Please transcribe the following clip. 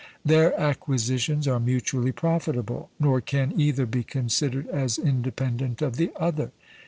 Their acquisitions are mutually profitable; nor can either be considered as independent of the other.